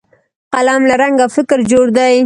قلم له رنګ او فکره جوړ دی